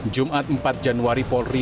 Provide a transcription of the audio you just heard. jumat empat januari polri